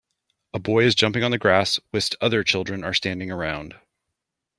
A boy is jumping on the grass whist other children are standing around.